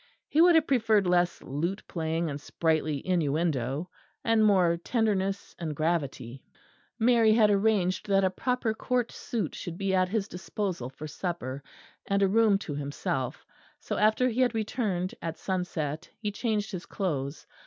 He would have preferred less lute playing and sprightly innuendo, and more tenderness and gravity. Mary had arranged that a proper Court suit should be at his disposal for supper, and a room to himself; so after he had returned at sunset, he changed his clothes.